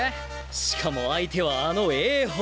しかも相手はあの英邦！